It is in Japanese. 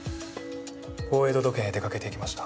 大江戸土建へ出掛けていきました。